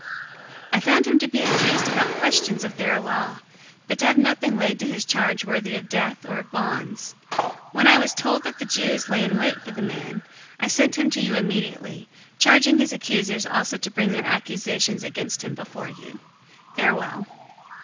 023:029 I found him to be accused about questions of their law, but to have nothing laid to his charge worthy of death or of bonds. 023:030 When I was told that the Jews lay in wait for the man, I sent him to you immediately, charging his accusers also to bring their accusations against him before you. Farewell."